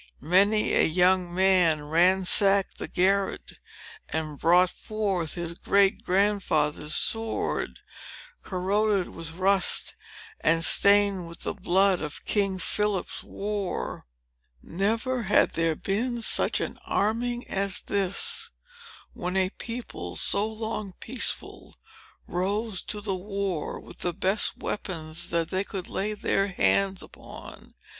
Many a young man ransacked the garret, and brought forth his great grandfather's sword, corroded with rust, and stained with the blood of King Philip's war. Never had there been seen such an arming as this, when a people, so long peaceful, rose to the war, with the best weapons that they could lay their hands upon.